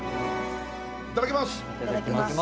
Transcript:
いただきます。